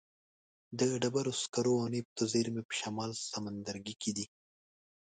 د ډبرو سکرو او نفتو زیرمې په شمال سمندرګي کې دي.